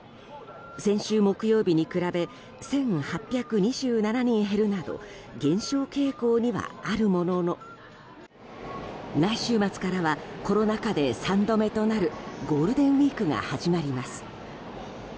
先週木曜日に比べ１８２７人減るなど減少傾向にはあるものの来週末からはコロナ禍で３度目となるゴールデンウィークが始まります。